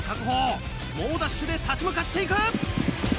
猛ダッシュで立ち向かって行く。